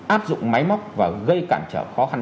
áp dụng máy móc và gây cản trở khó khăn